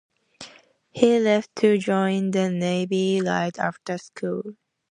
He left to join the Navy right after school.